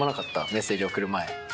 メッセージ送る前。